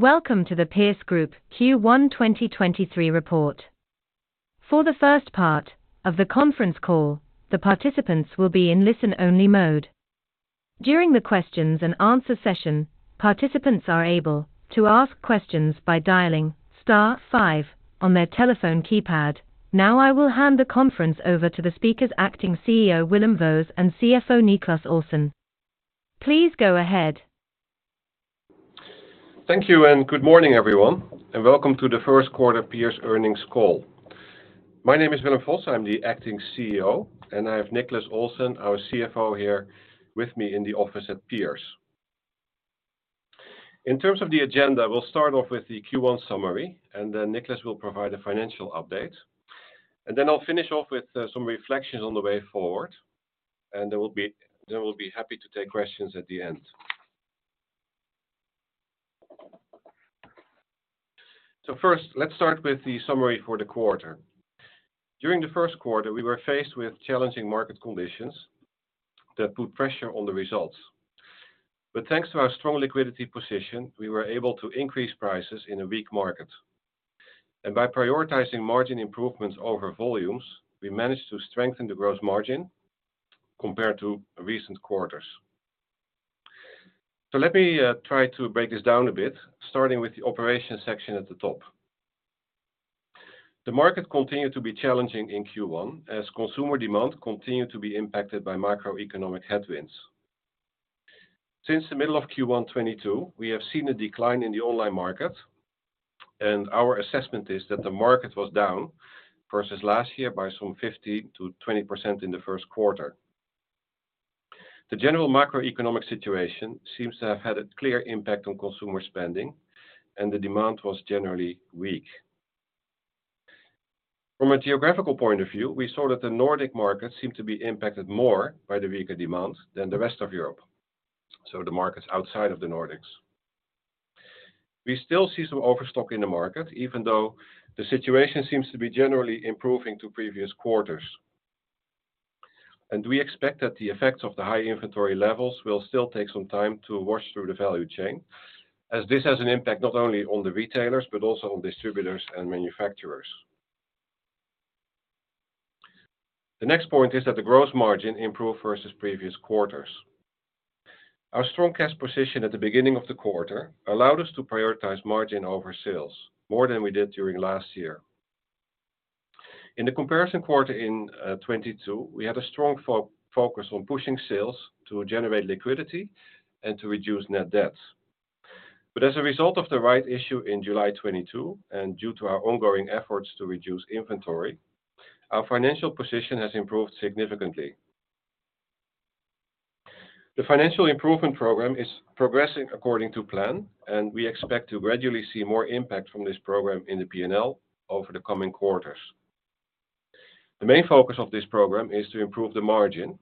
Welcome to the Pierce Group Q1 2023 report. For the first part of the conference call, the participants will be in listen only mode. During the questions and answer session, participants are able to ask questions by dialing star five on their telephone keypad. I will hand the conference over to the speakers Acting CEO, Willem Vos; and CFO, Niclas Olsson. Please go ahead. Thank you good morning, everyone, and welcome to the first quarter Pierce earnings call. My name is Willem Vos. I'm the acting CEO, and I have Niclas Olsson, our CFO, here with me in the office at Pierce. In terms of the agenda, we'll start off with the Q1 summary, and then Niclas will provide a financial update. Then I'll finish off with some reflections on the way forward, then we'll be happy to take questions at the end. First, let's start with the summary for the quarter. During the first quarter, we were faced with challenging market conditions that put pressure on the results. Thanks to our strong liquidity position, we were able to increase prices in a weak market. By prioritizing margin improvements over volumes, we managed to strengthen the gross margin compared to recent quarters. Let me try to break this down a bit, starting with the operation section at the top. The market continued to be challenging in Q1 as consumer demand continued to be impacted by macroeconomic headwinds. Since the middle of Q1 2022, we have seen a decline in the online market, and our assessment is that the market was down versus last year by some 50%-20% in the first quarter. The general macroeconomic situation seems to have had a clear impact on consumer spending, and the demand was generally weak. From a geographical point of view, we saw that the Nordic market seemed to be impacted more by the weaker demand than the rest of Europe, so the markets outside of the Nordics. We still see some overstock in the market, even though the situation seems to be generally improving to previous quarters. We expect that the effects of the high inventory levels will still take some time to wash through the value chain as this has an impact not only on the retailers but also on distributors and manufacturers. The next point is that the gross margin improved versus previous quarters. Our strong cash position at the beginning of the quarter allowed us to prioritize margin over sales more than we did during last year. In the comparison quarter in 2022, we had a strong focus on pushing sales to generate liquidity and to reduce net debt. As a result of the rights issue in July 2022 and due to our ongoing efforts to reduce inventory, our financial position has improved significantly. The financial improvement program is progressing according to plan, and we expect to gradually see more impact from this program in the P&L over the coming quarters. The main focus of this program is to improve the margin,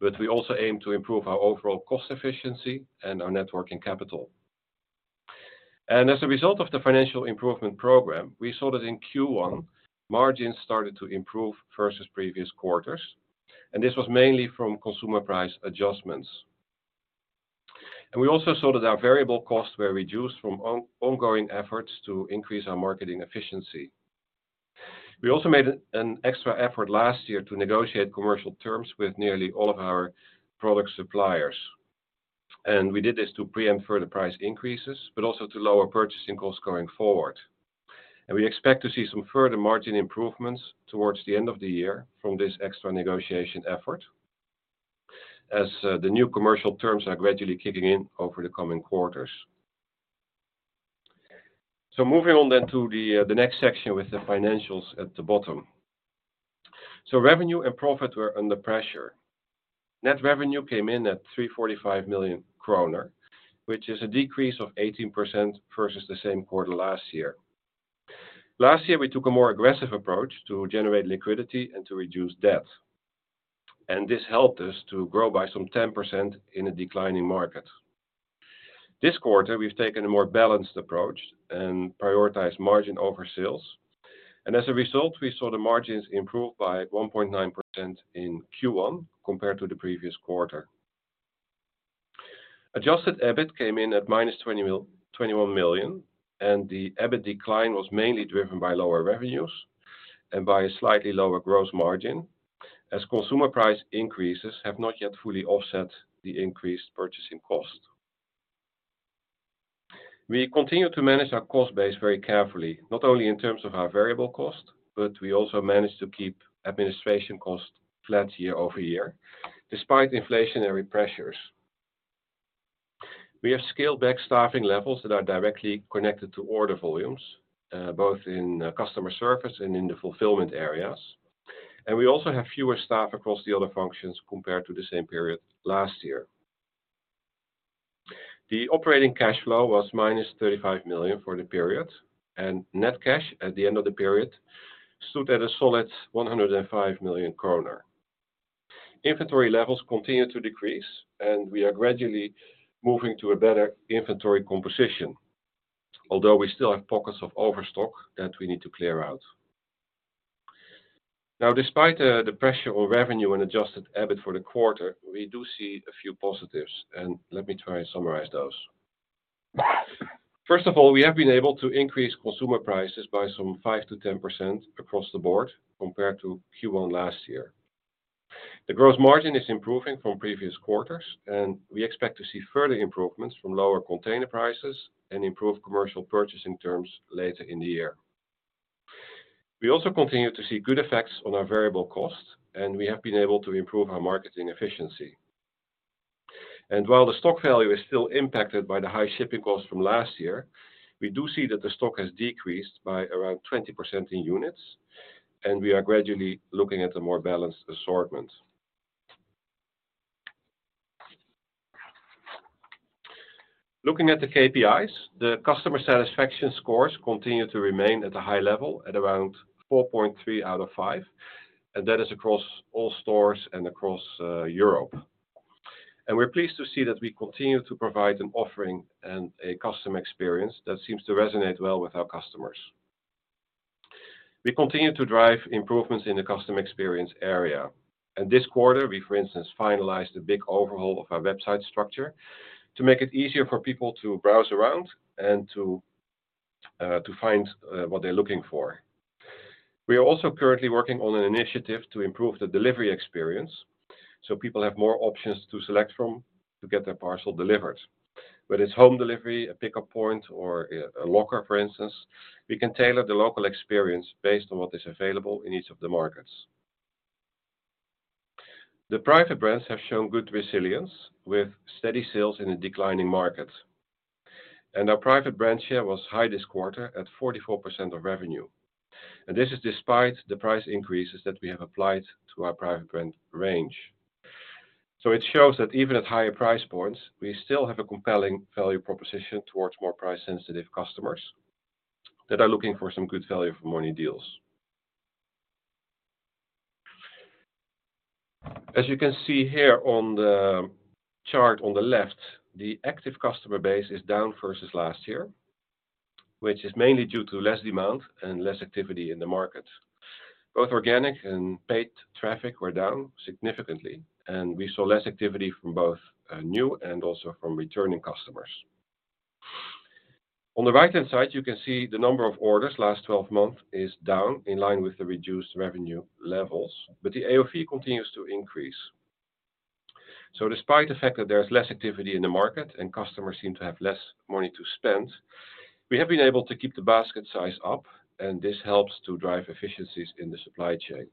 but we also aim to improve our overall cost efficiency and our net working capital. As a result of the financial improvement program, we saw that in Q1, margins started to improve versus previous quarters, and this was mainly from consumer price adjustments. We also saw that our variable costs were reduced from ongoing efforts to increase our marketing efficiency. We also made an extra effort last year to negotiate commercial terms with nearly all of our product suppliers, and we did this to preempt further price increases but also to lower purchasing costs going forward. We expect to see some further margin improvements towards the end of the year from this extra negotiation effort as the new commercial terms are gradually kicking in over the coming quarters. Moving on then to the next section with the financials at the bottom. Net revenue came in at 345 million kronor, which is a decrease of 18% versus the same quarter last year. Last year, we took a more aggressive approach to generate liquidity and to reduce debt, and this helped us to grow by some 10% in a declining market. This quarter, we've taken a more balanced approach and prioritized margin over sales. As a result, we saw the margins improve by 1.9% in Q1 compared to the previous quarter. Adjusted EBIT came in at -21 million. The EBIT decline was mainly driven by lower revenues and by a slightly lower gross margin as consumer price increases have not yet fully offset the increased purchasing cost. We continue to manage our cost base very carefully, not only in terms of our variable cost, but we also manage to keep administration costs flat year-over-year despite inflationary pressures. We have scaled back staffing levels that are directly connected to order volumes, both in customer service and in the fulfillment areas. We also have fewer staff across the other functions compared to the same period last year. The operating cash flow was -35 million for the period, and net cash at the end of the period stood at a solid 105 million kronor. Inventory levels continue to decrease, and we are gradually moving to a better inventory composition, although we still have pockets of overstock that we need to clear out. Despite the pressure on revenue and adjusted EBIT for the quarter, we do see a few positives, and let me try and summarize those. First of all, we have been able to increase consumer prices by some 5%-10% across the board compared to Q1 last year. The gross margin is improving from previous quarters, and we expect to see further improvements from lower container prices and improved commercial purchasing terms later in the year. We also continue to see good effects on our variable costs, and we have been able to improve our marketing efficiency. While the stock value is still impacted by the high shipping costs from last year, we do see that the stock has decreased by around 20% in units, and we are gradually looking at a more balanced assortment. Looking at the KPIs, the customer satisfaction scores continue to remain at a high level at around 4.3 out of 5, and that is across all stores and across Europe. We're pleased to see that we continue to provide an offering and a customer experience that seems to resonate well with our customers. We continue to drive improvements in the customer experience area. This quarter, we, for instance, finalized a big overhaul of our website structure to make it easier for people to browse around and to find what they're looking for. We are also currently working on an initiative to improve the delivery experience, so people have more options to select from to get their parcel delivered. Whether it's home delivery, a pickup point, or a locker, for instance, we can tailor the local experience based on what is available in each of the markets. The private brands have shown good resilience with steady sales in a declining market. Our private brand share was high this quarter at 44% of revenue. This is despite the price increases that we have applied to our private brand range. It shows that even at higher price points, we still have a compelling value proposition towards more price-sensitive customers that are looking for some good value for money deals. As you can see here on the chart on the left, the active customer base is down versus last year, which is mainly due to less demand and less activity in the market. Both organic and paid traffic were down significantly, and we saw less activity from both new and also from returning customers. On the right-hand side, you can see the number of orders last 12 months is down in line with the reduced revenue levels, but the AOV continues to increase. Despite the fact that there's less activity in the market and customers seem to have less money to spend, we have been able to keep the basket size up, and this helps to drive efficiencies in the supply chain.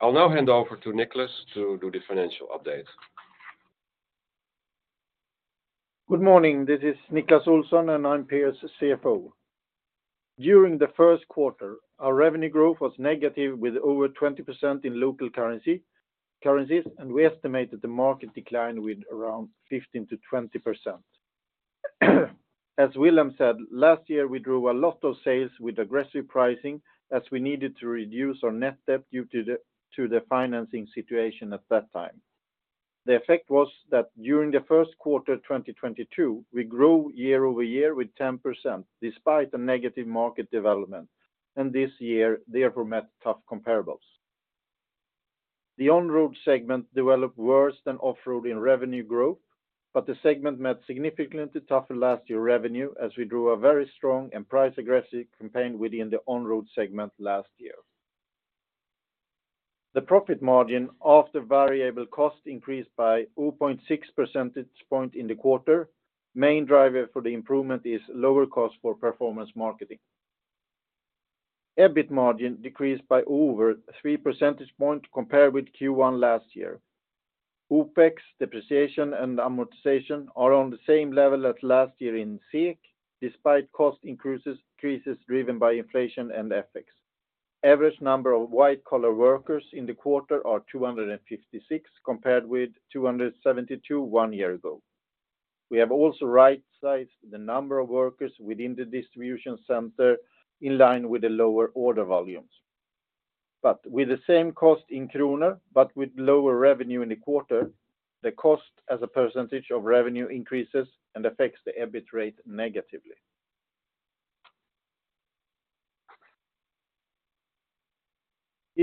I'll now hand over to Niclas to do the financial update. Good morning. This is Niclas Olsson, I'm Pierce's CFO. During the first quarter, our revenue growth was negative with over 20% in local currency, and we estimated the market decline with around 15%-20%. As Willem said, last year, we drove a lot of sales with aggressive pricing as we needed to reduce our net debt due to the financing situation at that time. The effect was that during the first quarter of 2022, we grew year-over-year with 10% despite a negative market development. This year therefore met tough comparables. The Onroad segment developed worse than Offroad in revenue growth. The segment met significantly tougher last year revenue as we drove a very strong and price-aggressive campaign within the Onroad segment last year. The profit margin after variable cost increased by 0.6 percentage point in the quarter. Main driver for the improvement is lower cost for performance marketing. EBIT margin decreased by over 3 percentage points compared with Q1 last year. OpEx depreciation and amortization are on the same level as last year in SEK, despite cost increases driven by inflation and FX. Average number of white-collar workers in the quarter are 256 compared with 272 one year ago. We have also right-sized the number of workers within the distribution center in line with the lower order volumes. With the same cost in SEK, but with lower revenue in the quarter, the cost as a percentage of revenue increases and affects the EBIT rate negatively.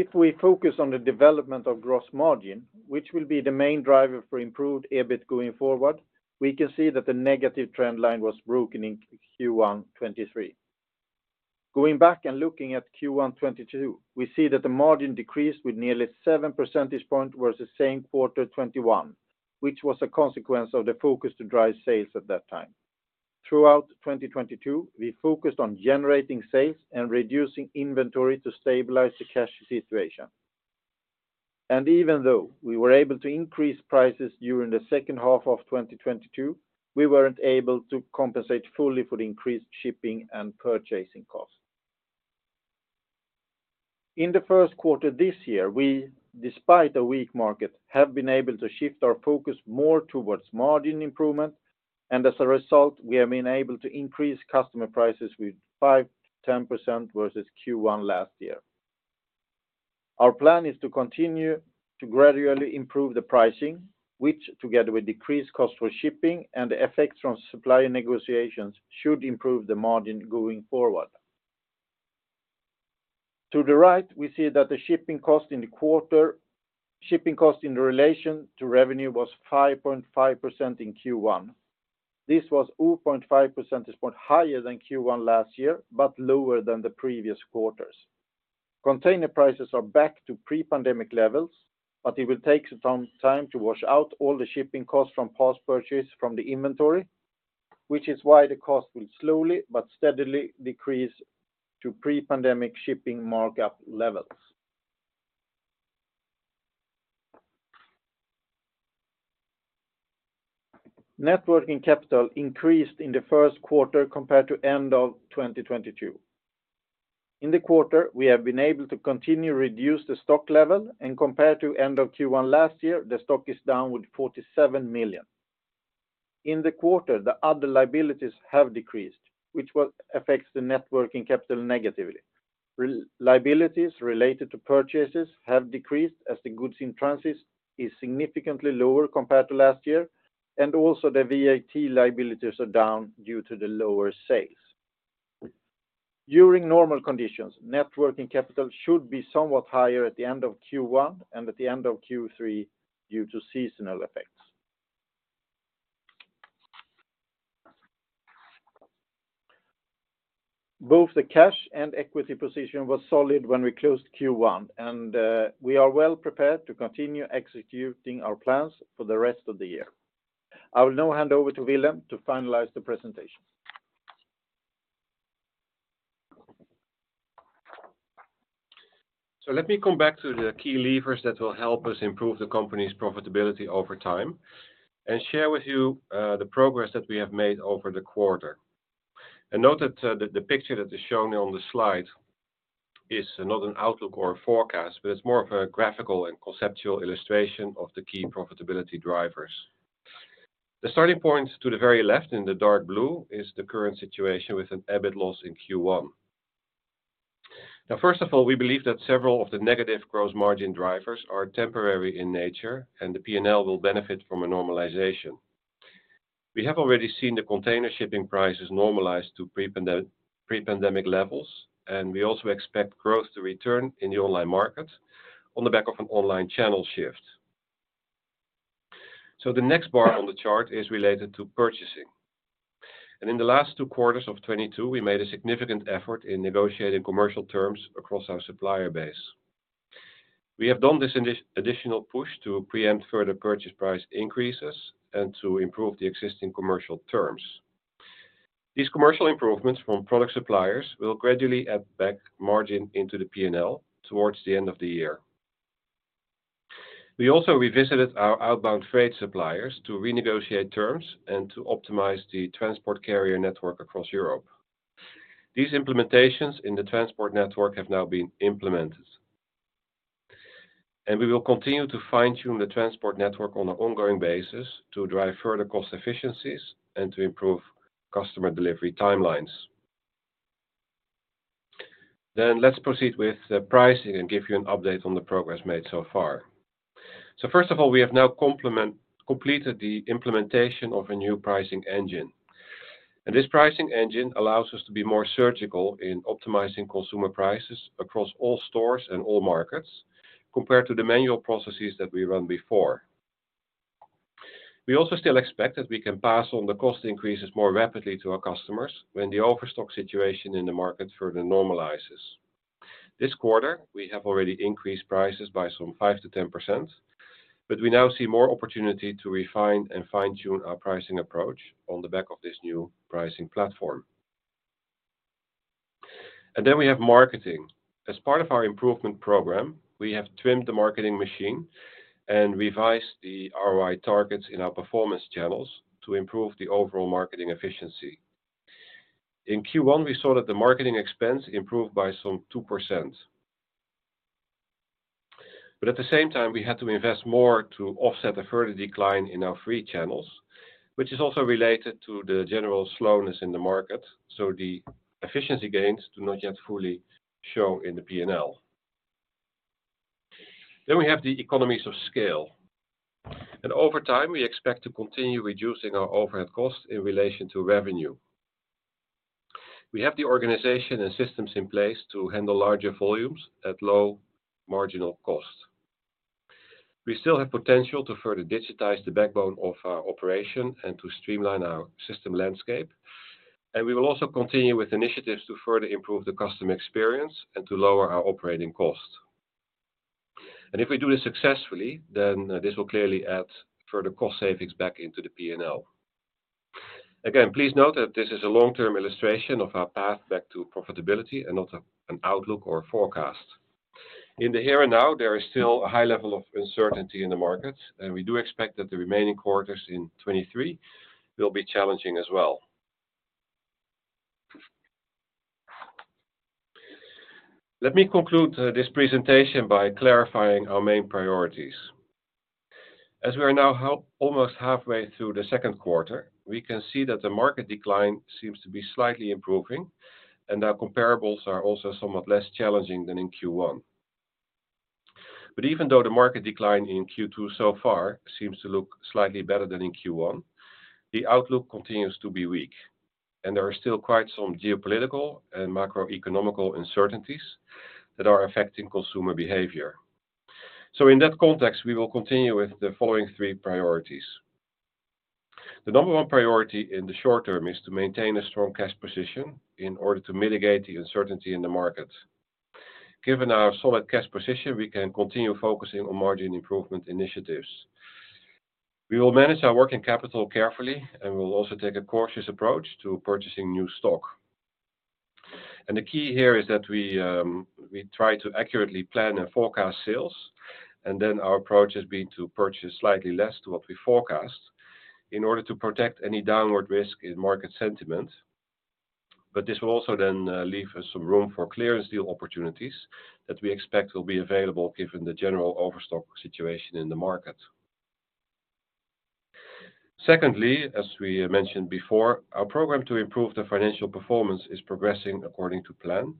If we focus on the development of gross margin, which will be the main driver for improved EBIT going forward, we can see that the negative trend line was broken in Q1 2023. Going back and looking at Q1 2022, we see that the margin decreased with nearly 7 percentage points versus same quarter 2021, which was a consequence of the focus to drive sales at that time. Throughout 2022, we focused on generating sales and reducing inventory to stabilize the cash situation. Even though we were able to increase prices during the second half of 2022, we weren't able to compensate fully for the increased shipping and purchasing costs. In the first quarter this year, we, despite a weak market, have been able to shift our focus more towards margin improvement. As a result, we have been able to increase customer prices with 5%-10% versus Q1 last year. Our plan is to continue to gradually improve the pricing, which together with decreased cost for shipping and the effects from supplier negotiations, should improve the margin going forward. To the right, we see that the shipping cost in the quarter, shipping cost in relation to revenue was 5.5% in Q1. This was 0.5% is more higher than Q1 last year, lower than the previous quarters. Container prices are back to pre-pandemic levels, but it will take some time to wash out all the shipping costs from past purchase from the inventory, which is why the cost will slowly but steadily decrease to pre-pandemic shipping markup levels. Net working capital increased in the first quarter compared to end of 2022. In the quarter, we have been able to continue to reduce the stock level, and compared to end of Q1 last year, the stock is down with 47 million. In the quarter, the other liabilities have decreased, which will affects the Net working capital negatively. Liabilities related to purchases have decreased as the goods in transit is significantly lower compared to last year, and also the VAT liabilities are down due to the lower sales. During normal conditions, net working capital should be somewhat higher at the end of Q1 and at the end of Q3 due to seasonal effects. Both the cash and equity position was solid when we closed Q1, and we are well prepared to continue executing our plans for the rest of the year. I will now hand over to Willem to finalize the presentation. Let me come back to the key levers that will help us improve the company's profitability over time and share with you the progress that we have made over the quarter. Note that the picture that is shown on the slide is not an outlook or a forecast, but it's more of a graphical and conceptual illustration of the key profitability drivers. The starting point to the very left in the dark blue is the current situation with an EBIT loss in Q1. First of all, we believe that several of the negative gross margin drivers are temporary in nature, and the P&L will benefit from a normalization. We have already seen the container shipping prices normalize to pre-pandemic levels, and we also expect growth to return in the online market on the back of an online channel shift. The next bar on the chart is related to purchasing. In the last two quarters of 2022, we made a significant effort in negotiating commercial terms across our supplier base. We have done this additional push to preempt further purchase price increases and to improve the existing commercial terms. These commercial improvements from product suppliers will gradually add back margin into the P&L towards the end of the year. We also revisited our outbound freight suppliers to renegotiate terms and to optimize the transport carrier network across Europe. These implementations in the transport network have now been implemented. We will continue to fine-tune the transport network on an ongoing basis to drive further cost efficiencies and to improve customer delivery timelines. Let's proceed with the pricing and give you an update on the progress made so far. First of all, we have now completed the implementation of a new pricing engine. This pricing engine allows us to be more surgical in optimizing consumer prices across all stores and all markets compared to the manual processes that we ran before. We also still expect that we can pass on the cost increases more rapidly to our customers when the overstock situation in the market further normalizes. This quarter, we have already increased prices by some 5%-10%, but we now see more opportunity to refine and fine-tune our pricing approach on the back of this new pricing platform. Then we have marketing. As part of our improvement program, we have trimmed the marketing machine and revised the ROI targets in our performance channels to improve the overall marketing efficiency. In Q1, we saw that the marketing expense improved by some 2%. At the same time, we had to invest more to offset the further decline in our free channels, which is also related to the general slowness in the market. The efficiency gains do not yet fully show in the P&L. We have the economies of scale. Over time, we expect to continue reducing our overhead costs in relation to revenue. We have the organization and systems in place to handle larger volumes at low marginal cost. We still have potential to further digitize the backbone of our operation and to streamline our system landscape. We will also continue with initiatives to further improve the customer experience and to lower our operating cost. If we do this successfully, then this will clearly add further cost savings back into the P&L. Again, please note that this is a long-term illustration of our path back to profitability and not an outlook or a forecast. In the here and now, there is still a high level of uncertainty in the market. We do expect that the remaining quarters in 2023 will be challenging as well. Let me conclude this presentation by clarifying our main priorities. As we are now almost halfway through the second quarter, we can see that the market decline seems to be slightly improving. Our comparables are also somewhat less challenging than in Q1. Even though the market decline in Q2 so far seems to look slightly better than in Q1, the outlook continues to be weak. There are still quite some geopolitical and macroeconomic uncertainties that are affecting consumer behavior. In that context, we will continue with the following three priorities. The number one priority in the short term is to maintain a strong cash position in order to mitigate the uncertainty in the market. Given our solid cash position, we can continue focusing on margin improvement initiatives. We will manage our working capital carefully, and we will also take a cautious approach to purchasing new stock. The key here is that we try to accurately plan and forecast sales, and then our approach has been to purchase slightly less to what we forecast in order to protect any downward risk in market sentiment. This will also then leave us some room for clearance deal opportunities that we expect will be available given the general overstock situation in the market. Secondly, as we mentioned before, our program to improve the financial performance is progressing according to plan,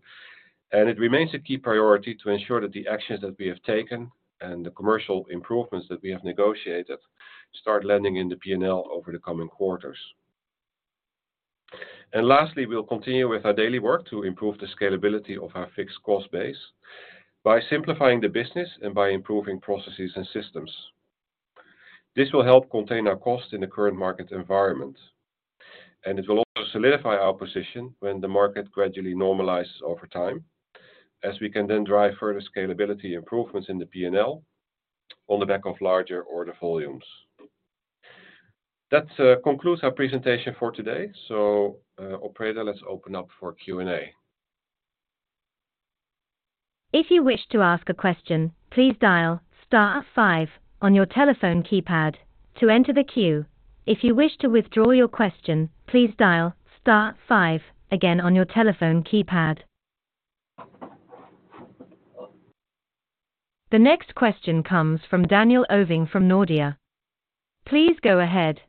and it remains a key priority to ensure that the actions that we have taken and the commercial improvements that we have negotiated start landing in the P&L over the coming quarters. Lastly, we'll continue with our daily work to improve the scalability of our fixed cost base by simplifying the business and by improving processes and systems. This will help contain our costs in the current market environment, and it will also solidify our position when the market gradually normalizes over time, as we can then drive further scalability improvements in the P&L on the back of larger order volumes. That concludes our presentation for today. Operator, let's open up for Q&A. If you wish to ask a question, please dial star five on your telephone keypad to enter the queue. If you wish to withdraw your question, please dial star five again on your telephone keypad. The next question comes from Daniel Ovin from Nordea. Please go ahead.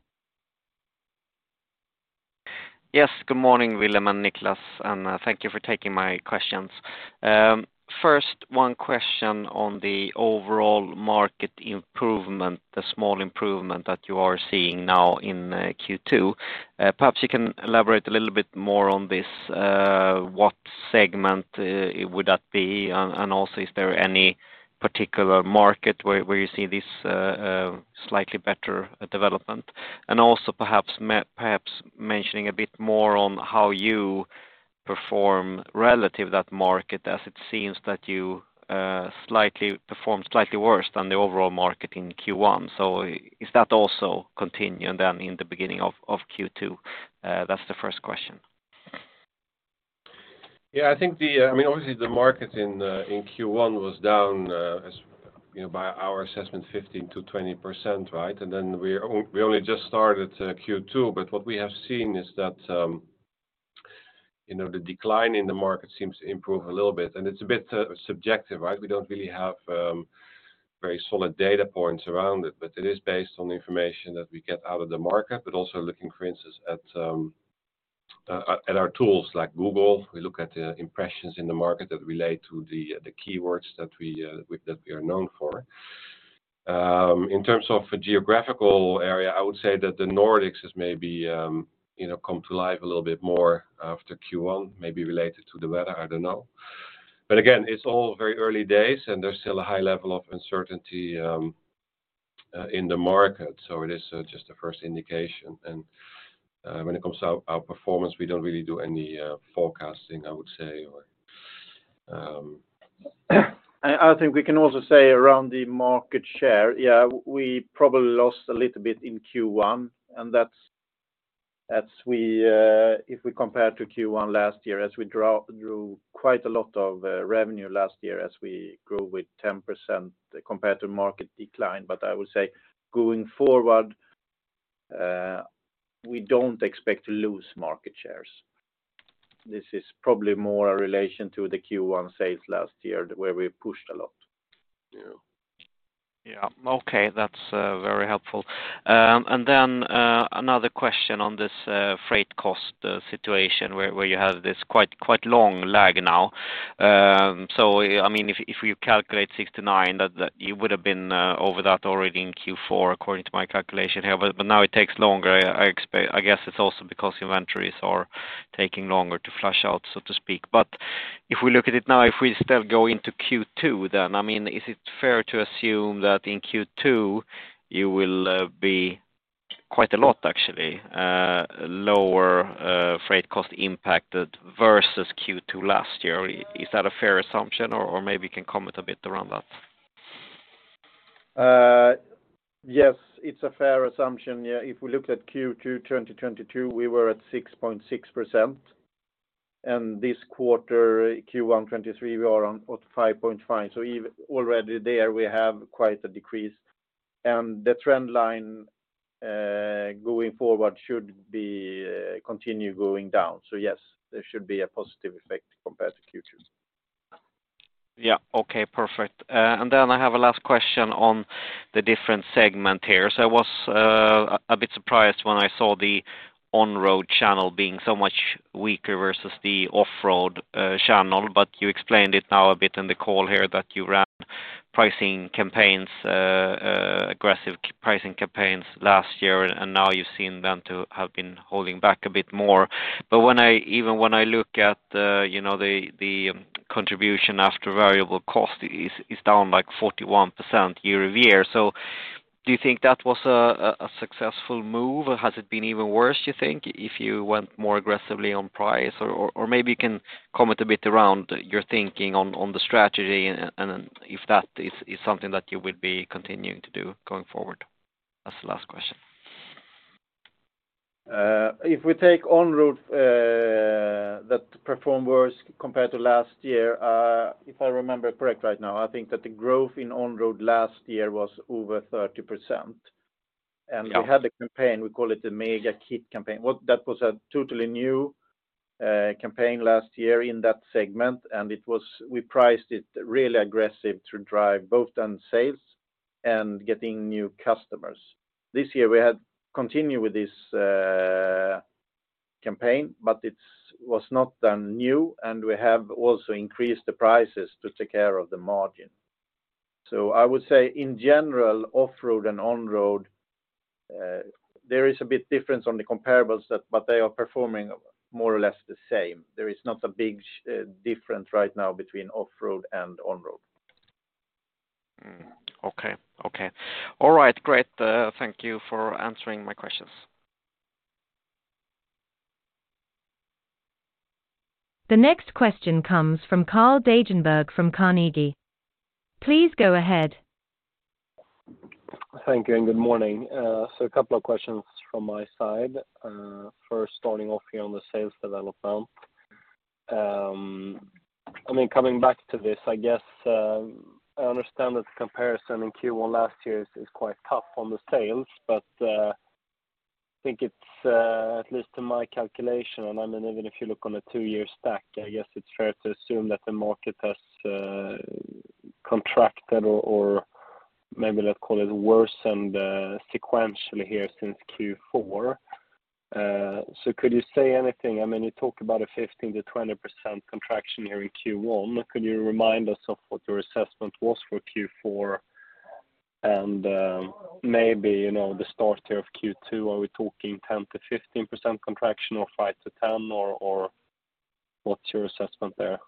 Yes, good morning, Willem and Niclas, and thank you for taking my questions. First, one question on the overall market improvement, the small improvement that you are seeing now in Q2. Perhaps you can elaborate a little bit more on this. What segment would that be? And also, is there any particular market where you see this slightly better development? And also perhaps mentioning a bit more on how you perform relative that market as it seems that you perform slightly worse than the overall market in Q1. Is that also continuing then in the beginning of Q2? That's the first question. Yeah, I think the, I mean, obviously the market in Q1 was down, as, you know, by our assessment 15%-20%, right? Then we only just started Q2, but what we have seen is that, you know, the decline in the market seems to improve a little bit, and it's a bit subjective, right? We don't really have very solid data points around it, but it is based on the information that we get out of the market, but also looking, for instance, at our tools like Google. We look at the impressions in the market that relate to the keywords that we that we are known for. In terms of a geographical area, I would say that the Nordics has maybe, you know, come to life a little bit more after Q1, maybe related to the weather, I don't know. Again, it's all very early days, and there's still a high level of uncertainty in the market, so it is just a first indication. When it comes to our performance, we don't really do any forecasting, I would say, or. I think we can also say around the market share, yeah, we probably lost a little bit in Q1, and that's we, if we compare to Q1 last year, as we drew quite a lot of revenue last year as we grew with 10% compared to market decline. I would say going forward, we don't expect to lose market shares. This is probably more a relation to the Q1 sales last year where we pushed a lot. Yeah. Yeah. Okay. That's very helpful. Another question on this freight cost situation where you have this quite long lag now. I mean, if you calculate 6% to 9%, that you would have been over that already in Q4, according to my calculation here. Now it takes longer. I guess it's also because inventories are taking longer to flush out, so to speak. If we look at it now, if we still go into Q2 then, I mean, is it fair to assume that in Q2 you will be quite a lot actually lower freight cost impacted versus Q2 last year? Is that a fair assumption or maybe you can comment a bit around that? Yes, it's a fair assumption. If we look at Q2 2022, we were at 6.6%. This quarter, Q1 2023, we are at 5.5%. Already there we have quite a decrease. The trend line going forward should continue going down. Yes, there should be a positive effect compared to Q2. Yeah. Okay, perfect. I have a last question on the different segment here. I was a bit surprised when I saw the Onroad channel being so much weaker versus the Offroad channel, you explained it now a bit in the call here that you ran pricing campaigns, aggressive pricing campaigns last year, now you've seen them to have been holding back a bit more. Even when I look at the, you know, the contribution after variable cost is down like 41% year-over-year. Do you think that was a successful move? Or has it been even worse, you think, if you went more aggressively on price? Maybe you can comment a bit around your thinking on the strategy and if that is something that you would be continuing to do going forward? That's the last question. If we take Onroad, that performed worse compared to last year, if I remember correct right now, I think that the growth in Onroad last year was over 30%. Yeah. We had a campaign, we call it the Mega Kit campaign. That was a totally new campaign last year in that segment, and we priced it really aggressive to drive both on sales and getting new customers. This year, we had continued with this campaign, but it was not then new, and we have also increased the prices to take care of the margin. I would say in general, Offroad and Onroad, there is a bit difference on the comparables, but they are performing more or less the same. There is not a big difference right now between Offroad and Onroad. Okay. Okay. All right. Great. Thank you for answering my questions. The next question comes from Carl Deijenberg from Carnegie. Please go ahead. Thank you. Good morning. A couple of questions from my side. First starting off here on the sales development. I mean, coming back to this, I guess, I understand that the comparison in Q1 last year is quite tough on the sales, but I think it's, at least in my calculation, and I mean, even if you look on a two-year stack, I guess it's fair to assume that the market has contracted or maybe let's call it worsened sequentially here since Q4. Could you say anything? I mean, you talked about a 15%-20% contraction here in Q1. Could you remind us of what your assessment was for Q4 and, maybe, you know, the start here of Q2? Are we talking 10%-15% contraction or 5%-10% or what's your assessment there?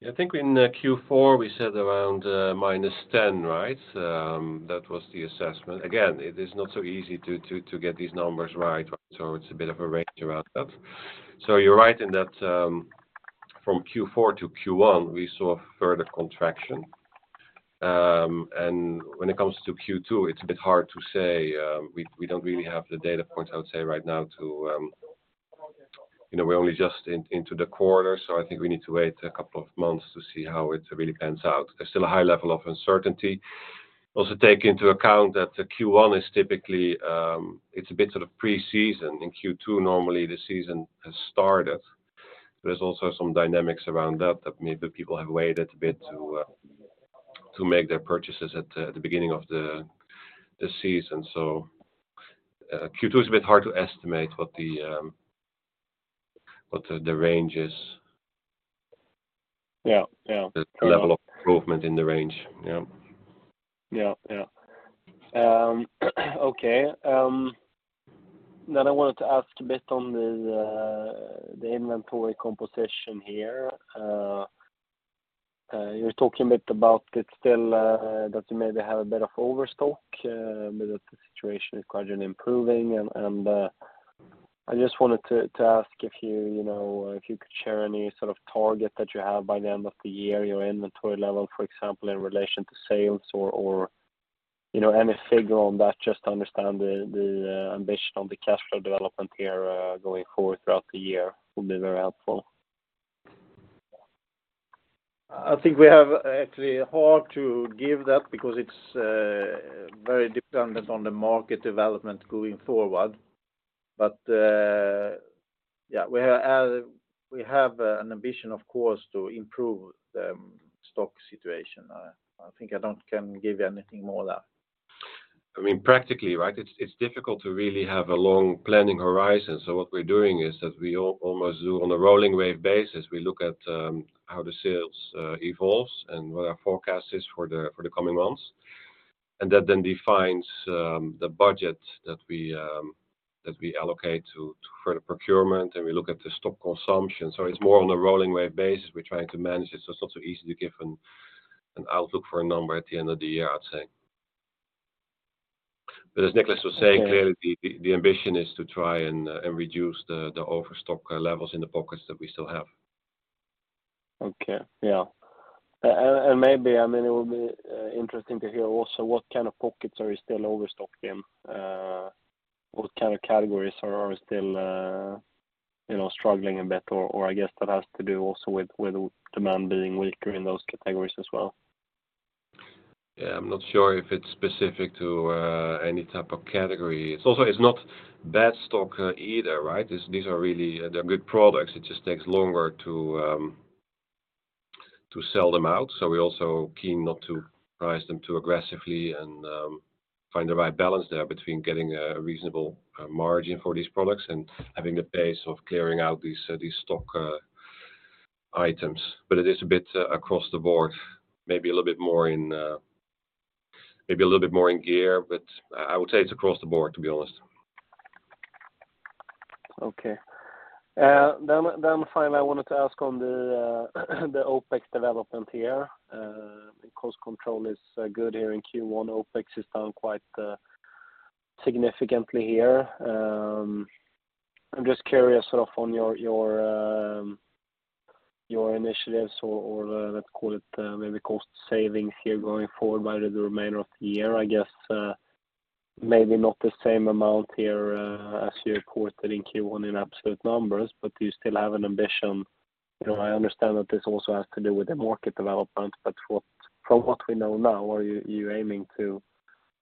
Yeah, I think in Q4, we said around -10%, right? That was the assessment. Again, it is not so easy to get these numbers right. It's a bit of a range around that. You're right in that, from Q4 to Q1, we saw further contraction. When it comes to Q2, it's a bit hard to say. We don't really have the data points, I would say right now to, you know, we're only just into the quarter, so I think we need to wait a couple of months to see how it really pans out. There's still a high level of uncertainty. Take into account that the Q1 is typically, it's a bit of pre-season. In Q2, normally the season has started. There's also some dynamics around that maybe people have waited a bit to make their purchases at the beginning of the season. Q2 is a bit hard to estimate what the, what the range is. Yeah. Yeah. The level of improvement in the range. Yeah. Yeah. Okay. Then I wanted to ask a bit on the inventory composition here. You're talking a bit about it still, that you maybe have a bit of overstock, but that the situation is gradually improving. I just wanted to ask if you know, if you could share any sort of target that you have by the end of the year, your inventory level, for example, in relation to sales or, you know, any figure on that just to understand the ambition on the cash flow development here, going forward throughout the year would be very helpful. I think we have actually hard to give that because it's very dependent on the market development going forward. Yeah, we have an ambition, of course, to improve the stock situation. I think I don't can give you anything more there. I mean, practically, right, it's difficult to really have a long planning horizon. What we're doing is that we almost do on a rolling wave basis, we look at how the sales evolves and what our forecast is for the coming months. That defines the budget that we allocate for the procurement, and we look at the stock consumption. It's more on a rolling wave basis. We're trying to manage it, so it's not so easy to give an outlook for a number at the end of the year, I'd say. As Niclas was saying, clearly the ambition is to try and reduce the overstock levels in the pockets that we still have. Okay. Yeah. Maybe, I mean, it would be interesting to hear also what kind of pockets are you still overstocked in? What kind of categories are still, you know, struggling a bit, or I guess that has to do also with demand being weaker in those categories as well? I'm not sure if it's specific to any type of category. It's also, it's not bad stock either, right? They're good products. It just takes longer to sell them out. We're also keen not to price them too aggressively and find the right balance there between getting a reasonable margin for these products and having the pace of clearing out these stock items. It is a bit across the board, maybe a little bit more in gear, but I would say it's across the board, to be honest. Okay. Then finally, I wanted to ask on the OpEx development here. Cost control is good here in Q1. OpEx is down quite significantly here. I'm just curious sort of on your initiatives or let's call it maybe cost savings here going forward by the remainder of the year. I guess maybe not the same amount here as you reported in Q1 in absolute numbers, but do you still have an ambition? You know, I understand that this also has to do with the market development, but from what we know now, are you aiming to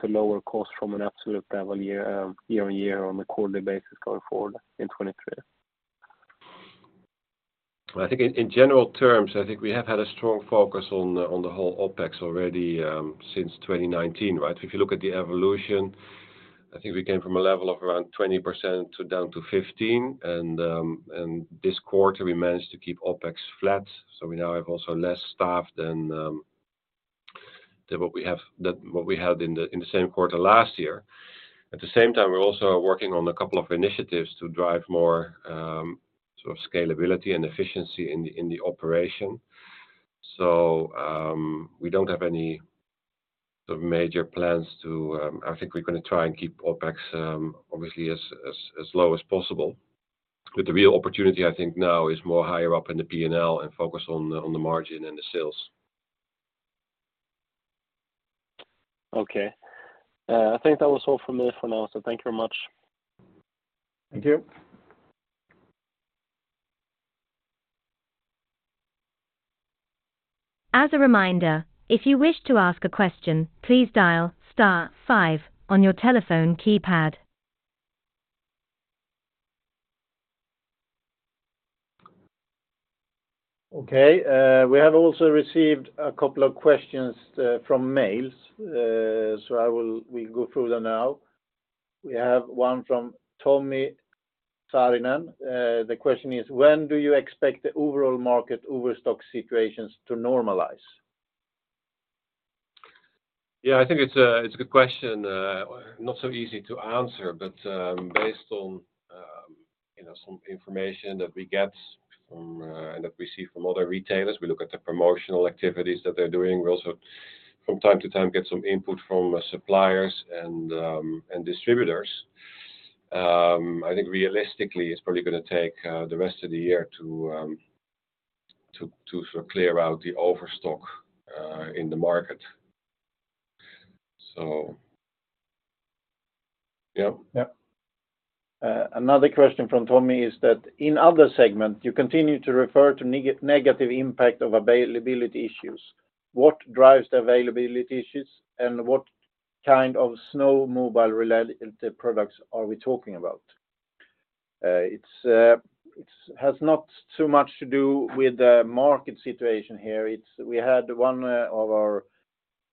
lower costs from an absolute level year year-on-year on a quarterly basis going forward in 2023? I think in general terms, I think we have had a strong focus on the whole OpEx already since 2019, right? If you look at the evolution, I think we came from a level of around 20% to down to 15%. This quarter we managed to keep OpEx flat, we now have also less staff than what we had in the same quarter last year. At the same time, we're also working on a couple of initiatives to drive more sort of scalability and efficiency in the operation. We don't have any sort of major plans to. I think we're gonna try and keep OpEx obviously as low as possible. The real opportunity I think now is more higher up in the P&L and focus on the margin and the sales. Okay. I think that was all from me for now. Thank you very much. Thank you. As a reminder, if you wish to ask a question, please dial star five on your telephone keypad. Okay. We have also received a couple of questions, from mails. We'll go through them now. We have one from Tommy Saarinen. The question is, when do you expect the overall market overstock situations to normalize? Yeah, I think it's a good question. Not so easy to answer, but, based on, you know, some information that we get from, and that we see from other retailers, we look at the promotional activities that they're doing. We also from time to time get some input from suppliers and distributors. I think realistically, it's probably gonna take the rest of the year to sort of clear out the overstock in the market. Yep. Yep. Another question from Tommy is that in Other segment, you continue to refer to negative impact of availability issues. What drives the availability issues, and what kind of snowmobile related products are we talking about? It's has not too much to do with the market situation here. It's we had one of our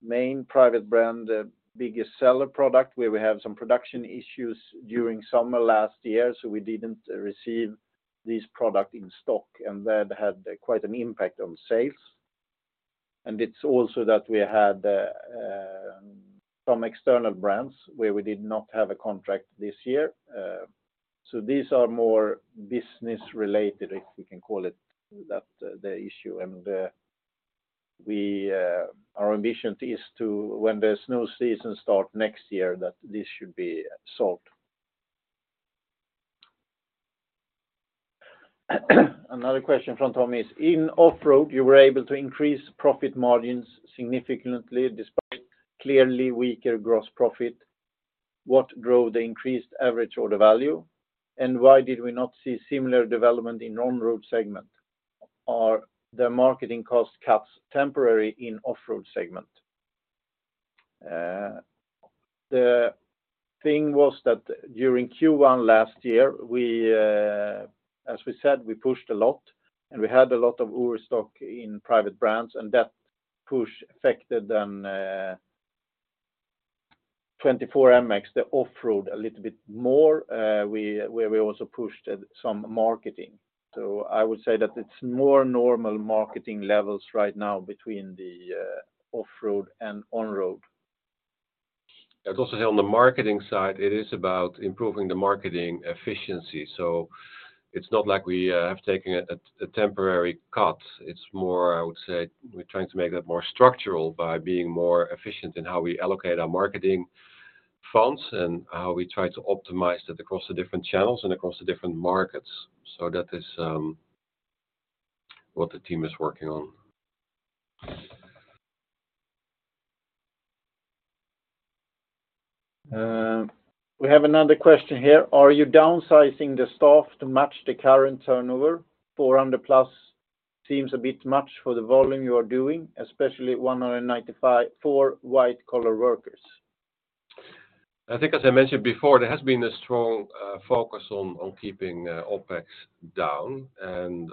main private brand biggest seller product, where we have some production issues during summer last year, so we didn't receive this product in stock, and that had quite an impact on sales. It's also that we had some external brands where we did not have a contract this year. These are more business related, if we can call it that, the issue. We our ambition is to, when the snow season start next year, that this should be solved. Another question from Tommy is, in Offroad, you were able to increase profit margins significantly despite clearly weaker gross profit. What drove the increased average order value? Why did we not see similar development in Onroad segment? Are the marketing cost cuts temporary in Offroad segment? The thing was that during Q1 last year, we, as we said, we pushed a lot, and we had a lot of overstock in private brands, and that push affected 24MX, the Offroad a little bit more, we, where we also pushed at some marketing. I would say that it's more normal marketing levels right now between the Offroad and Onroad. It's also here on the marketing side, it is about improving the marketing efficiency. It's not like we have taken a temporary cut. It's more, I would say, we're trying to make that more structural by being more efficient in how we allocate our marketing funds and how we try to optimize that across the different channels and across the different markets. That is what the team is working on. We have another question here. Are you downsizing the staff to match the current turnover? 400+ seems a bit much for the volume you are doing, especially 195 for white-collar workers. I think as I mentioned before, there has been a strong focus on keeping OpEx down, and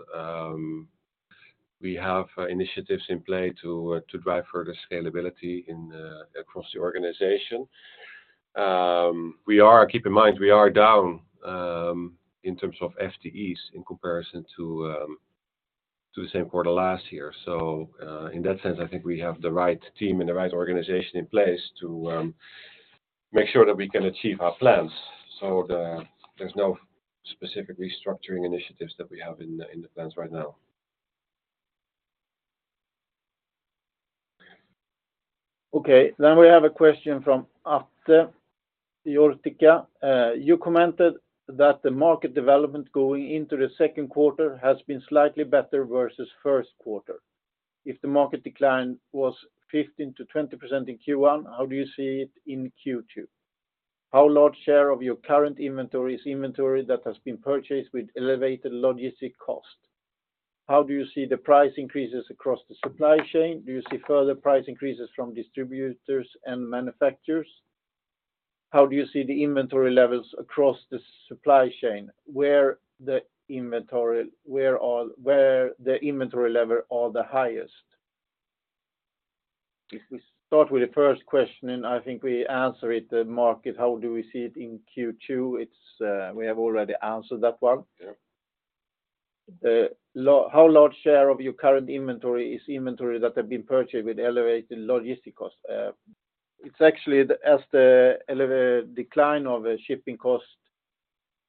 we have initiatives in play to drive further scalability across the organization. Keep in mind, we are down in terms of FTEs in comparison to the same quarter last year. In that sense, I think we have the right team and the right organization in place to make sure that we can achieve our plans. There's no specific restructuring initiatives that we have in the plans right now. Okay. We have a question from Atte Hietanen. You commented that the market development going into the second quarter has been slightly better versus first quarter. If the market decline was 15% to 20% in Q1, how do you see it in Q2? How large share of your current inventory is inventory that has been purchased with elevated logistic cost? How do you see the price increases across the supply chain? Do you see further price increases from distributors and manufacturers? How do you see the inventory levels across the supply chain, where the inventory level are the highest? We start with the first question, I think we answer it, the market, how do we see it in Q2? It's, we have already answered that one. Yeah. How large share of your current inventory is inventory that have been purchased with elevated logistic costs? It's actually as the decline of shipping costs,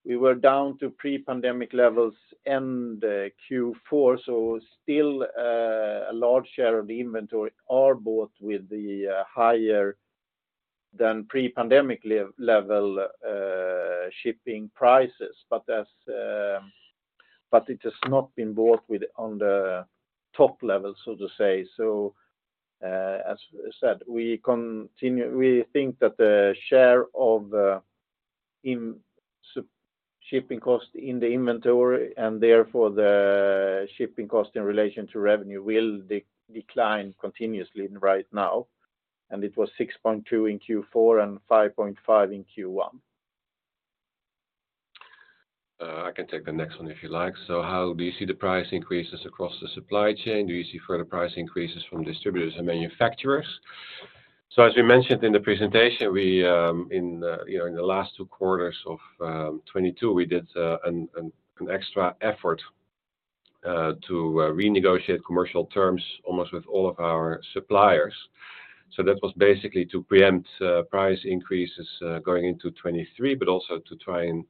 we were down to pre-pandemic levels end Q4, so still, a large share of the inventory are bought with the higher than pre-pandemic level shipping prices. As, but it has not been bought with on the top level, so to say. As I said, we think that the share of shipping costs in the inventory and therefore the shipping cost in relation to revenue will decline continuously right now, and it was 6.2% in Q4 and 5.5% in Q1. I can take the next one if you like. How do you see the price increases across the supply chain? Do you see further price increases from distributors and manufacturers? As we mentioned in the presentation, we, you know, in the last two quarters of 2022, we did an extra effort to renegotiate commercial terms almost with all of our suppliers. That was basically to preempt price increases going into 2023, but also to try and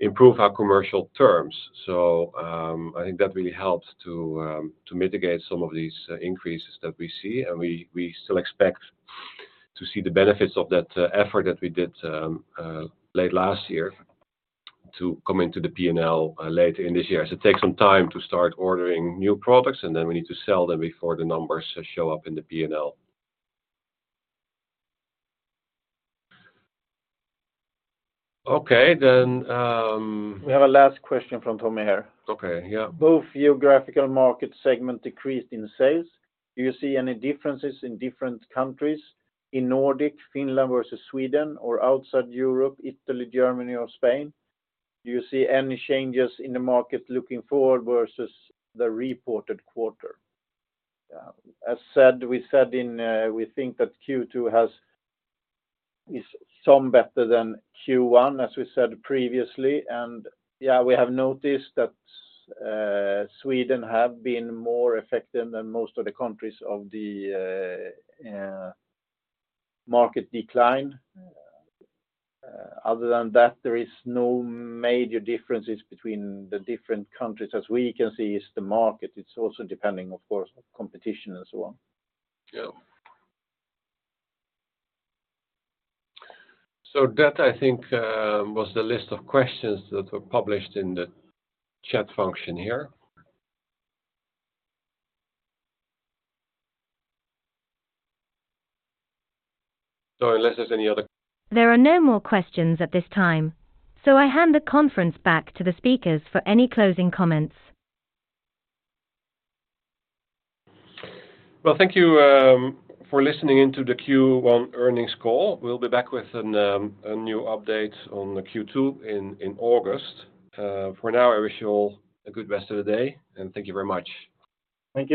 improve our commercial terms. I think that really helps to mitigate some of these increases that we see, and we still expect to see the benefits of that effort that we did late last year to come into the P&L later in this year. It takes some time to start ordering new products, and then we need to sell them before the numbers show up in the P&L. Okay. We have a last question from Tommy here. Okay. Yeah. Both geographical market segment decreased in sales. Do you see any differences in different countries, in Nordic, Finland versus Sweden, or outside Europe, Italy, Germany or Spain? Do you see any changes in the market looking forward versus the reported quarter? As said, we said in, we think that Q2 is some better than Q1, as we said previously. Yeah, we have noticed that Sweden have been more effective than most of the countries of the market decline. Other than that, there is no major differences between the different countries. As we can see, it's the market. It's also depending, of course, on competition and so on. Yeah. That, I think, was the list of questions that were published in the chat function here. Unless there's any other-. There are no more questions at this time, so I hand the conference back to the speakers for any closing comments. Well, thank you, for listening in to the Q1 earnings call. We'll be back with a new update on the Q2 in August. For now, I wish you all a good rest of the day, and thank you very much. Thank you.